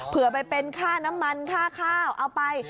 เพื่อไปเป็นค่าน้ำมันค่าข้าวเอาไป